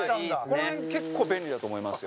この辺結構便利だと思いますよ。